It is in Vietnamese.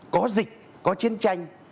có dịch có chiến tranh